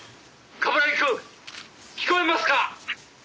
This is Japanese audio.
「冠城くん！聞こえますか！」